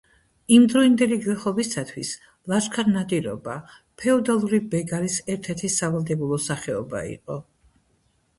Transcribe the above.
იმდროინდელი გლეხობისათვის ლაშქარ-ნადირობა ფეოდალური ბეგარის ერთ-ერთი სავალდებულო სახეობა იყო.